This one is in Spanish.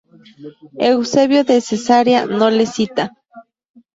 Eusebio de Cesarea no le cita.